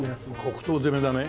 黒糖攻めだね？